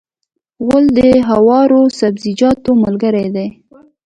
غول د هوارو سبزیجاتو ملګری دی.